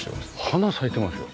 花咲いてますよ。